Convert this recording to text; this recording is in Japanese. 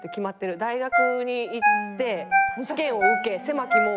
大学に行って試験を受け狭き門を